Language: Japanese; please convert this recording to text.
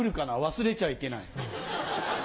忘れちゃいけない。